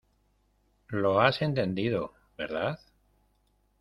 lo has entendido, ¿ verdad?